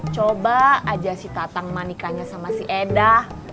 coba aja si tatang manikanya sama si eda